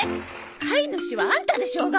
飼い主はアンタでしょうが！